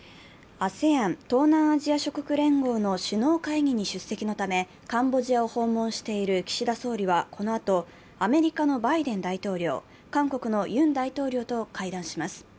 ＡＳＥＡＮ＝東南アジア諸国連合の首脳会議に出席のためカンボジアを訪問している岸田総理はこのあと、アメリカのバイデン大統領、韓国のユン大統領と会談します。